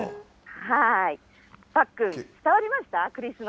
パックン、伝わりました？